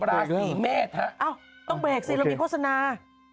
อ้าวต้องแบกสิเรามีโฆษณา